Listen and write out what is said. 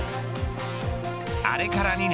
あれから２年